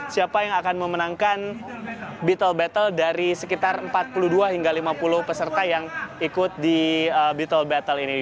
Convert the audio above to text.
siapa yang akan memenangkan beatle battle dari sekitar empat puluh dua hingga lima puluh peserta yang ikut di beatle battle ini